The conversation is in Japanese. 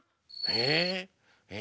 え？